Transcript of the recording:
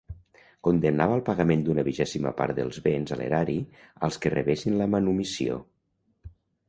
Condemnava al pagament d'una vigèsima part dels béns a l'erari als que rebessin la manumissió.